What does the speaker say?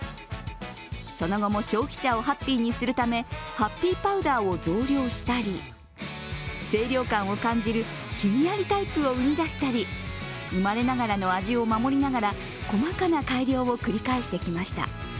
その後も消費者をハッピーにするためハッピーパウダーを増量したり清涼感を感じるひんやりタイプを生み出したり生まれながらの味を守りながら細かな改良を繰り返してきました。